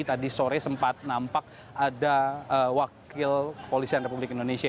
tadi sore sempat nampak ada wakil polisian republik indonesia